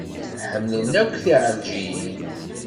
Ḥemmlen akk tiɛelǧiyin.